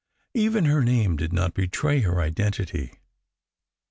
Even her name did not betray her identity.